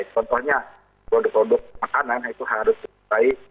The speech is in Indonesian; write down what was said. contohnya produk produk makanan itu harus diperbai